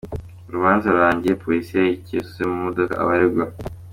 Urubanza rurangiye, Polisi yahisecyuriza mu modoka abaregwa.